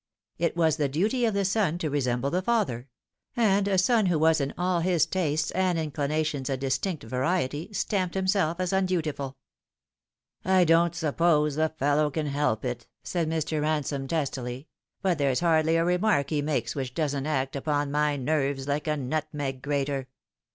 It was the duty of the son to resemble the father ; and a son who was in all his tastes and inclinations a distinct variety stamped him self as undutiful. " I don't suppose the fellow can help it," said Mr. Ransome testily ;" but there's hardly a remark he makes which doesn't act upon my nerves like a nutmeg grater."